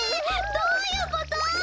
どういうこと？